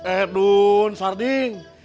eh dun sarding